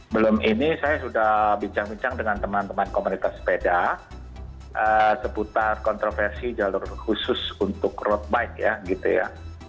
belum ini saya sudah bincang bincang dengan teman teman komunitas sepeda seputar kontroversi jalur khusus untuk road bike ya gitu ya